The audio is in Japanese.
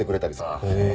へえ。